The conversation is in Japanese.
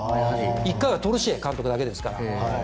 １回はトルシエ監督だけですから。